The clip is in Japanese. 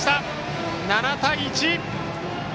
７対１！